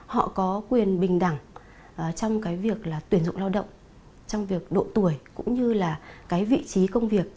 họ có quyền bình đẳng trong việc tuyển dụng lao động trong việc độ tuổi cũng như vị trí công việc